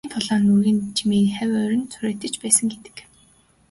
Тэдний тулааны нүргээн чимээ хавь ойрд нь цуурайтаж байсан гэдэг.